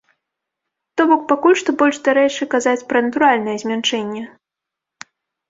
То бок пакуль што больш дарэчы казаць пра натуральнае змяншэнне.